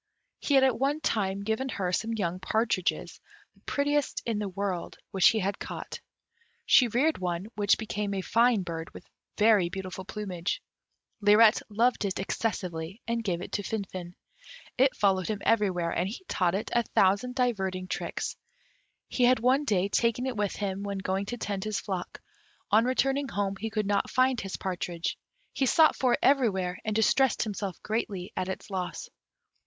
He had at one time given her some young partridges, the prettiest in the world, which he had caught. She reared one, which became a fine bird, with very beautiful plumage; Lirette loved it excessively, and gave it to Finfin. It followed him everywhere, and he taught it a thousand diverting tricks. He had one day taken it with him when going to tend his flock; on returning home he could not find his partridge; he sought for it everywhere, and distressed himself greatly at its loss.